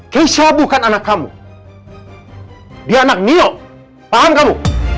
keishaan bukan anak kamu dia anak nio paham kamu